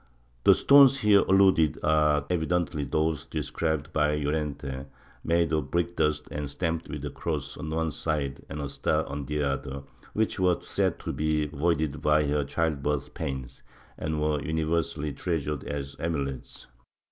The stones here alluded to are evidently those described by Llorente, made of brick dust and stamped with a cross on one side and a star on the other, which were said to be voided by her with child birth pains, and were universally treasured as amulets.